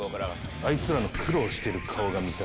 あいつらの苦労してる顔が見たい。